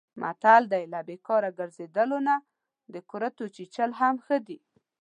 متل دی: له بیکاره ګرځېدلو نه د کورتو چیچل هم ښه دي.